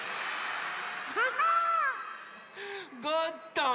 ゴットン